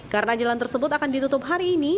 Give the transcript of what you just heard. karena jalan tersebut akan ditutup hari ini